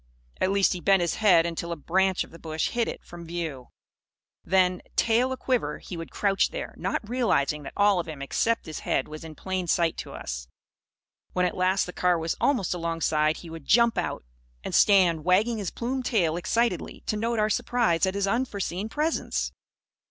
At least he bent his head until a branch of the bush hid it from view. Then, tail a quiver, he would crouch there; not realising that all of him except his head was in plain sight to us. When at last the car was almost alongside, he would jump out; and stand wagging his plumed tail excitedly, to note our surprise at his unforeseen presence.